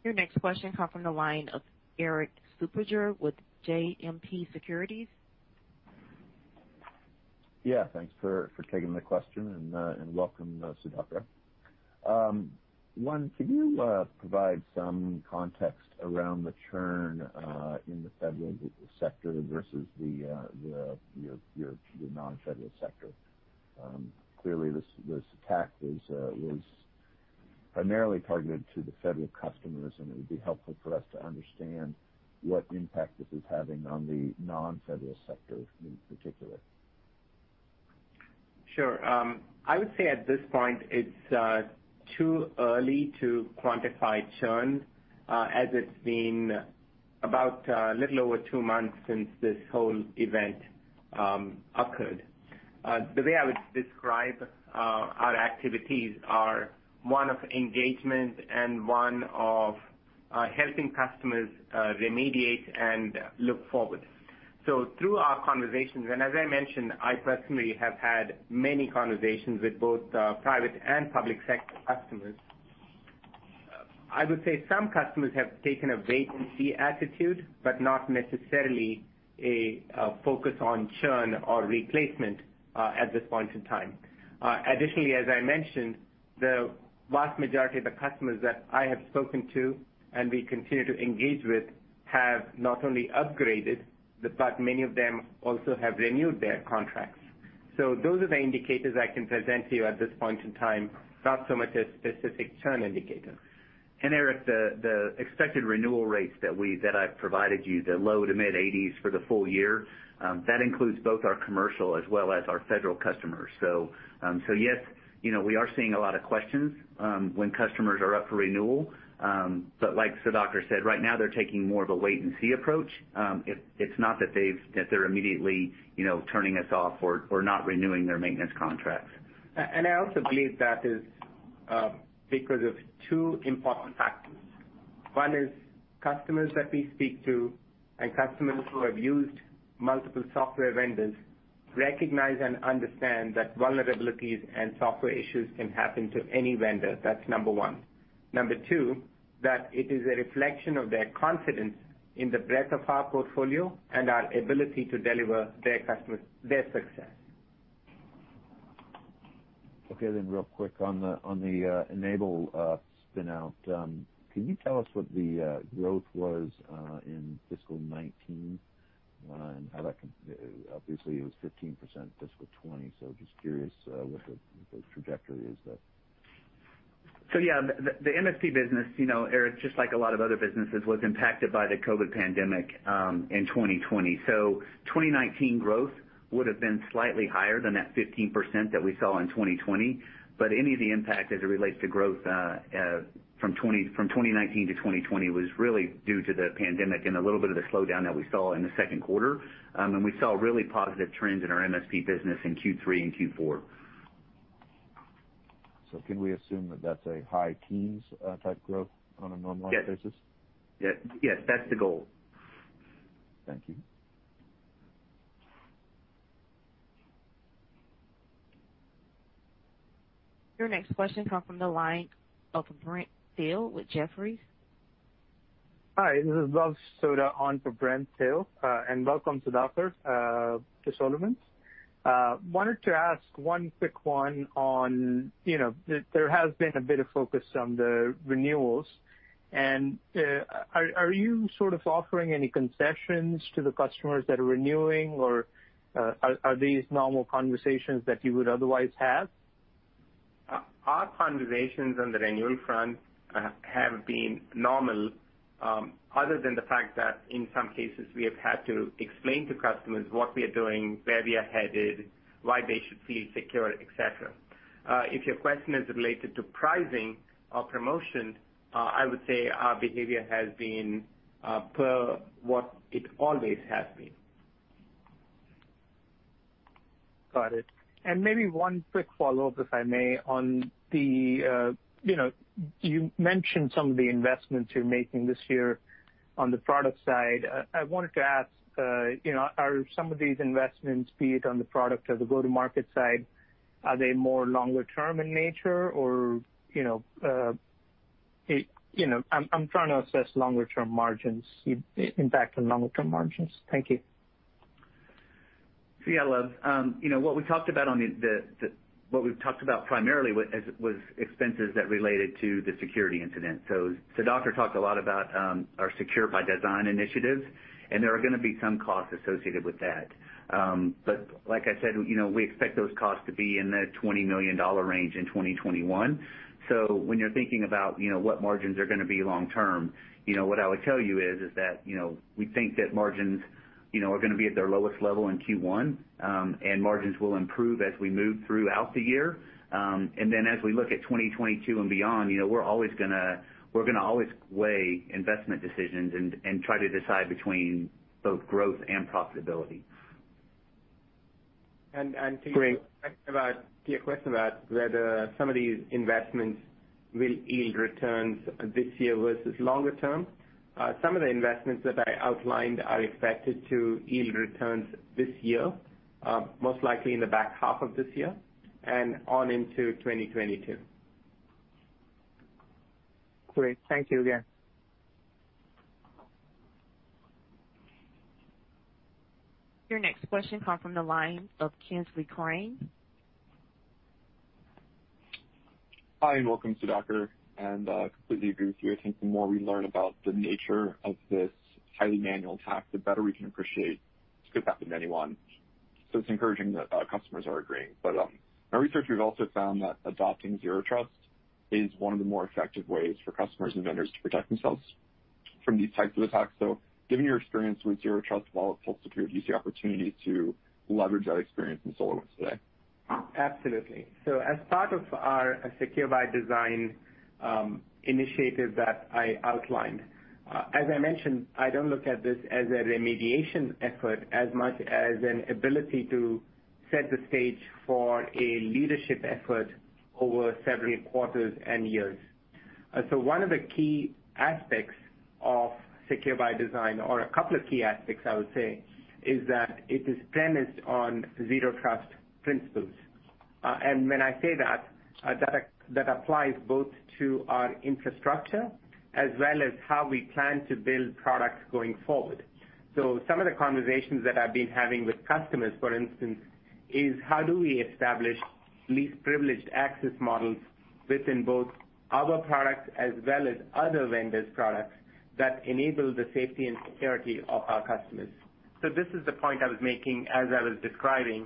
Speaker 1: Your next question comes from the line of Erik Suppiger with JMP Securities.
Speaker 9: Yeah. Thanks for taking the question, and welcome, Sudhakar. One, can you provide some context around the churn in the federal sector versus your non-federal sector? Clearly, this attack was primarily targeted to the federal customers, and it would be helpful for us to understand what impact this is having on the non-federal sector in particular.
Speaker 3: Sure. I would say at this point, it's too early to quantify churn, as it's been about a little over two months since this whole event occurred. The way I would describe our activities are one of engagement and one of helping customers remediate and look forward. Through our conversations, and as I mentioned, I personally have had many conversations with both private and public sector customers. I would say some customers have taken a wait-and-see attitude, but not necessarily a focus on churn or replacement at this point in time. Additionally, as I mentioned, the vast majority of the customers that I have spoken to and we continue to engage with have not only upgraded, but many of them also have renewed their contracts. Those are the indicators I can present to you at this point in time, not so much a specific churn indicator.
Speaker 4: Erik, the expected renewal rates that I've provided you, the low to mid-80s for the full year, that includes both our commercial as well as our federal customers. Yes, we are seeing a lot of questions when customers are up for renewal. Like Sudhakar said, right now they're taking more of a wait-and-see approach. It's not that they're immediately turning us off or not renewing their maintenance contracts.
Speaker 3: I also believe that is because of two important factors. One is customers that we speak to and customers who have used multiple software vendors recognize and understand that vulnerabilities and software issues can happen to any vendor. That's number one. Number two, it is a reflection of their confidence in the breadth of our portfolio and our ability to deliver their success.
Speaker 9: Okay, real quick on the N-able spin-out, can you tell us what the growth was in fiscal 2019? Obviously, it was 15% in fiscal 2020, just curious what the trajectory is there.
Speaker 4: Yeah, the MSP business, Erik, just like a lot of other businesses, was impacted by the COVID pandemic in 2020. 2019 growth would have been slightly higher than that 15% that we saw in 2020. Any of the impact as it relates to growth from 2019 to 2020 was really due to the pandemic and a little bit of the slowdown that we saw in the second quarter. We saw really positive trends in our MSP business in Q3 and Q4.
Speaker 9: Can we assume that that's a high teens type growth on a normalized basis?
Speaker 4: Yes. That's the goal.
Speaker 9: Thank you.
Speaker 1: Your next question comes from the line of Brent Thill with Jefferies.
Speaker 10: Hi, this is Luv Sodha on for Brent Thill. Welcome, Sudhakar, to SolarWinds. Wanted to ask one quick one on, there has been a bit of focus on the renewals. Are you sort of offering any concessions to the customers that are renewing, or are these normal conversations that you would otherwise have?
Speaker 3: Our conversations on the renewal front have been normal, other than the fact that in some cases, we have had to explain to customers what we are doing, where we are headed, why they should feel secure, et cetera. If your question is related to pricing or promotion, I would say our behavior has been per what it always has been.
Speaker 10: Got it. Maybe one quick follow-up, if I may, on the You mentioned some of the investments you're making this year on the product side. I wanted to ask, are some of these investments, be it on the product or the go-to-market side, are they more longer term in nature? I'm trying to assess longer term margins, impact on longer term margins. Thank you.
Speaker 4: Yeah, Luv. What we've talked about primarily was expenses that related to the security incident. Sudhakar talked a lot about our Secure by Design initiative, and there are going to be some costs associated with that. Like I said, we expect those costs to be in the $20 million range in 2021. When you're thinking about what margins are going to be long term, what I would tell you is that, we think that margins are going to be at their lowest level in Q1, and margins will improve as we move throughout the year. As we look at 2022 and beyond, we're going to always weigh investment decisions and try to decide between both growth and profitability.
Speaker 3: To your question about whether some of these investments will yield returns this year versus longer term. Some of the investments that I outlined are expected to yield returns this year, most likely in the back half of this year and on into 2022.
Speaker 10: Great. Thank you again.
Speaker 1: Your next question comes from the line of Kingsley Crane.
Speaker 11: Hi, and welcome, Sudhakar, completely agree with you. I think the more we learn about the nature of this highly manual attack, the better we can appreciate this could happen to anyone. It's encouraging that customers are agreeing. In our research, we've also found that adopting Zero Trust is one of the more effective ways for customers and vendors to protect themselves from these types of attacks. Given your experience with Zero Trust while at Pulse Secure, do you see opportunities to leverage that experience in SolarWinds today?
Speaker 3: Absolutely. As part of our Secure by Design initiative that I outlined, as I mentioned, I don't look at this as a remediation effort as much as an ability to set the stage for a leadership effort over several quarters and years. One of the key aspects of Secure by Design, or a couple of key aspects I would say, is that it is premised on Zero Trust principles. When I say that applies both to our infrastructure as well as how we plan to build products going forward. Some of the conversations that I've been having with customers, for instance, is how do we establish least privileged access models within both our products as well as other vendors' products that enable the safety and security of our customers. This is the point I was making as I was describing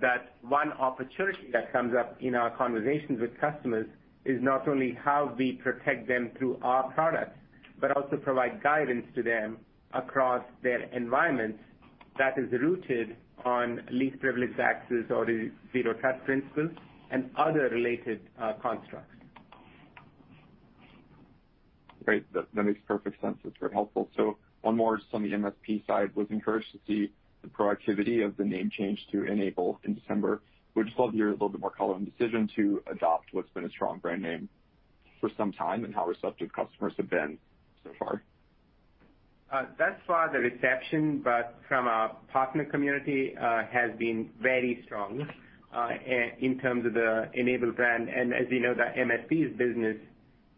Speaker 3: that one opportunity that comes up in our conversations with customers is not only how we protect them through our products, but also provide guidance to them across their environments that is rooted on least privileged access or Zero Trust principles and other related constructs.
Speaker 11: Great. That makes perfect sense. That's very helpful. One more just on the MSP side, was encouraged to see the proactivity of the name change to N-able in December. Would just love to hear a little bit more color on the decision to adopt what's been a strong brand name for some time, and how receptive customers have been so far.
Speaker 3: Thus far the reception from our partner community has been very strong, in terms of the N-able brand. As you know, the MSP's business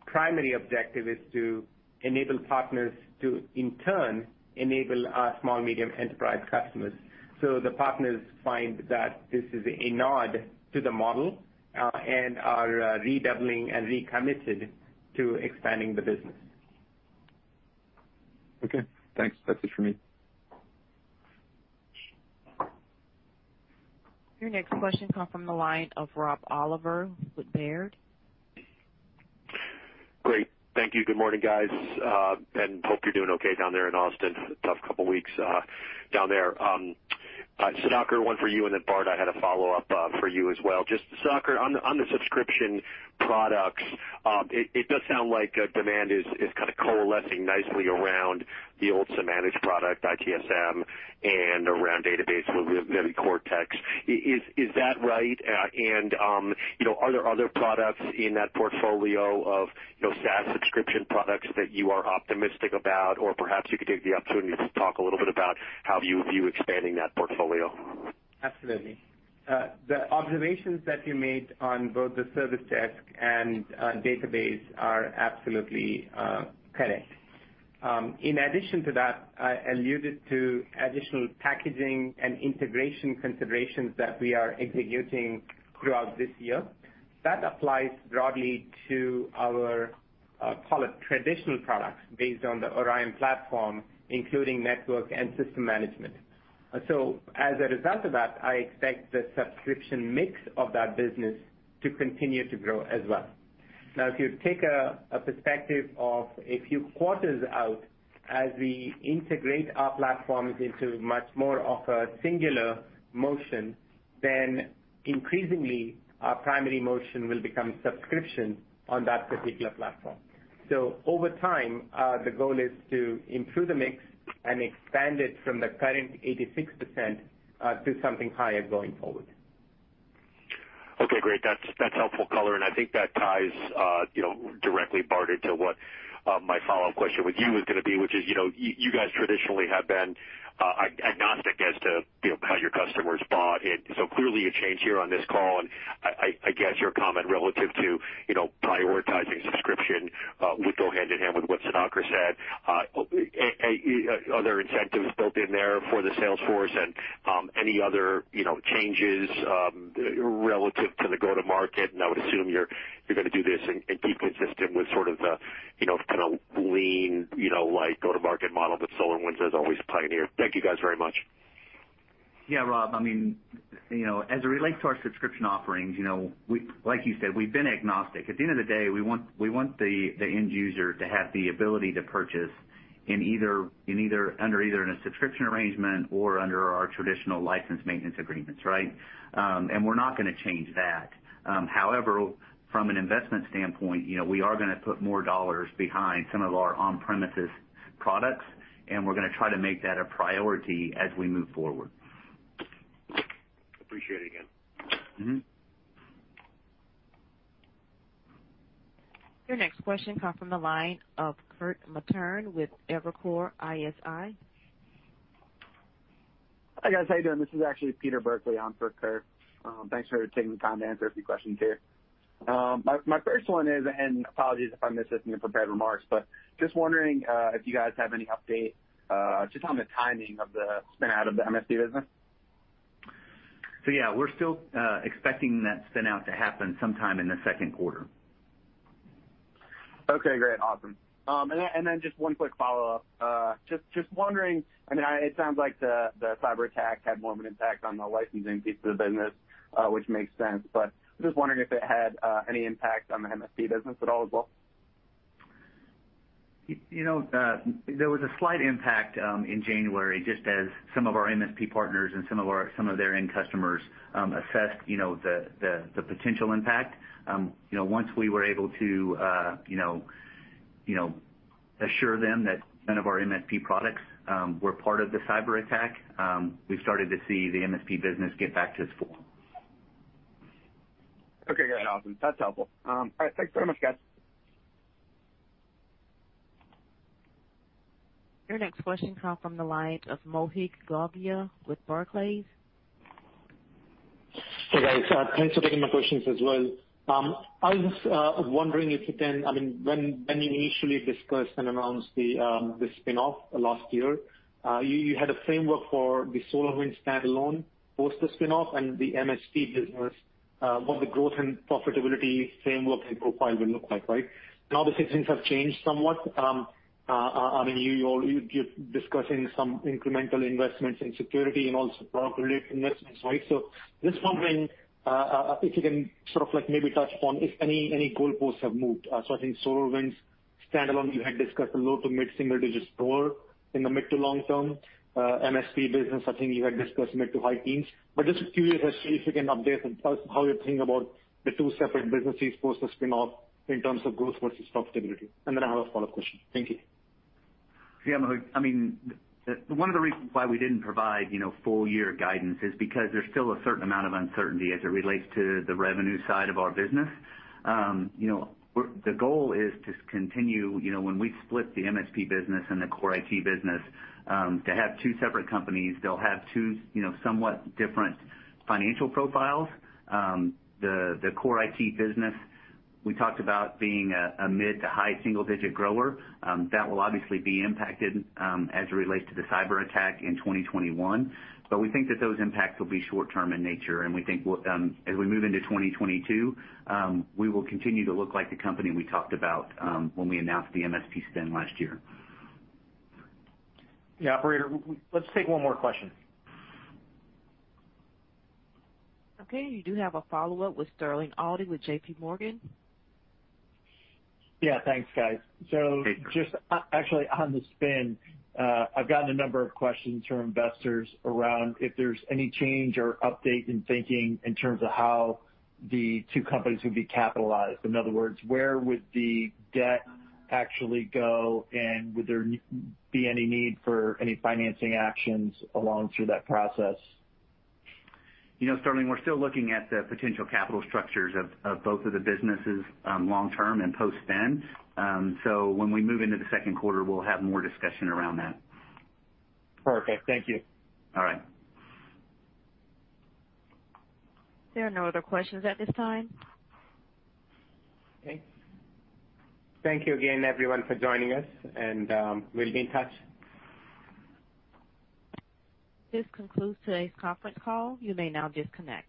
Speaker 3: primary objective is to enable partners to in turn enable our small-medium enterprise customers. The partners find that this is a nod to the model, and are redoubling and recommitted to expanding the business.
Speaker 11: Okay, thanks. That's it for me.
Speaker 1: Your next question comes from the line of Rob Oliver with Baird.
Speaker 12: Great. Thank you. Good morning, guys, and hope you're doing okay down there in Austin. Tough couple of weeks down there. Sudhakar, one for you, and then Bart, I had a follow-up for you as well. Just Sudhakar, on the subscription products, it does sound like demand is kind of coalescing nicely around the old Samanage product, ITSM, and around database with VividCortex. Is that right? Are there other products in that portfolio of SaaS subscription products that you are optimistic about? Perhaps you could take the opportunity to talk a little bit about how you view expanding that portfolio.
Speaker 3: Absolutely. The observations that you made on both the Service Desk and database are absolutely correct. In addition to that, I alluded to additional packaging and integration considerations that we are executing throughout this year. That applies broadly to our call it traditional products based on the Orion Platform, including network and system management. As a result of that, I expect the subscription mix of that business to continue to grow as well. If you take a perspective of a few quarters out as we integrate our platforms into much more of a singular motion, then increasingly our primary motion will become subscription on that particular platform. Over time, the goal is to improve the mix and expand it from the current 86% to something higher going forward.
Speaker 12: Okay, great. That's helpful color, and I think that ties directly, Bart, into what my follow-up question with you was going to be, which is, you guys traditionally have been agnostic as to how your customers bought it. Clearly a change here on this call, and I get your comment relative to prioritizing subscription, which will hand in hand with what Sudhakar said. Are there incentives built in there for the sales force and any other changes relative to the go-to-market? I would assume you're going to do this and be consistent with sort of the lean go-to-market model that SolarWinds has always pioneered. Thank you guys very much.
Speaker 4: Yeah, Rob, as it relates to our subscription offerings, like you said, we've been agnostic. At the end of the day, we want the end user to have the ability to purchase under either a subscription arrangement or under our traditional license maintenance agreements, right? We're not going to change that. However, from an investment standpoint, we are going to put more dollars behind some of our on-premises products, and we're going to try to make that a priority as we move forward.
Speaker 12: Appreciate it again.
Speaker 1: Your next question comes from the line of Kirk Materne with Evercore ISI.
Speaker 13: Hi, guys. How you doing? This is actually Peter Berkley on for Kirk. Thanks for taking the time to answer a few questions here. My first one is, and apologies if I missed this in your prepared remarks, but just wondering if you guys have any update just on the timing of the spin-out of the MSP business.
Speaker 4: Yeah, we're still expecting that spin-out to happen sometime in the second quarter.
Speaker 13: Okay, great. Awesome. Just one quick follow-up. Just wondering, it sounds like the cyberattack had more of an impact on the licensing piece of the business, which makes sense, but just wondering if it had any impact on the MSP business at all as well.
Speaker 4: There was a slight impact in January, just as some of our MSP partners and some of their end customers assessed the potential impact. Once we were able to assure them that none of our MSP products were part of the cyberattack, we started to see the MSP business get back to its form.
Speaker 13: Okay, great. Awesome. That's helpful. All right, thanks very much, guys.
Speaker 1: Your next question comes from the line of Mohit Gogia with Barclays.
Speaker 14: Hey, guys. Thanks for taking my questions as well. I was wondering when you initially discussed and announced the spin-off last year, you had a framework for the SolarWinds standalone post the spin-off and the MSP business, what the growth and profitability framework and profile will look like, right? Obviously, things have changed somewhat. You're discussing some incremental investments in security and also product-related investments, right? Just wondering if you can maybe touch on if any goalposts have moved. I think SolarWinds standalone, you had discussed a low-to-mid single-digit grower in the mid to long term. MSP business, I think you had discussed mid to high teens. Just curious as to if you can update and tell us how you're thinking about the two separate businesses post the spin-off in terms of growth versus profitability. I have a follow-up question. Thank you.
Speaker 4: Yeah, Mohit. One of the reasons why we didn't provide full year guidance is because there's still a certain amount of uncertainty as it relates to the revenue side of our business. The goal is when we split the MSP business and the core IT business, to have two separate companies, they'll have two somewhat different financial profiles. The core IT business we talked about being a mid-to-high single-digit grower. That will obviously be impacted as it relates to the cyberattack in 2021. We think that those impacts will be short-term in nature, and we think as we move into 2022, we will continue to look like the company we talked about when we announced the MSP spin last year.
Speaker 2: Yeah, operator, let's take one more question.
Speaker 1: Okay, you do have a follow-up with Sterling Auty with JPMorgan.
Speaker 5: Yeah, thanks, guys.
Speaker 4: Hey.
Speaker 5: Just actually on the spin, I've gotten a number of questions from investors around if there's any change or update in thinking in terms of how the two companies would be capitalized. In other words, where would the debt actually go, and would there be any need for any financing actions along through that process?
Speaker 4: Sterling, we're still looking at the potential capital structures of both of the businesses long term and post-spin. When we move into the second quarter, we'll have more discussion around that.
Speaker 5: Perfect. Thank you.
Speaker 4: All right.
Speaker 1: There are no other questions at this time.
Speaker 3: Okay. Thank you again, everyone, for joining us, and we'll be in touch.
Speaker 1: This concludes today's conference call. You may now disconnect.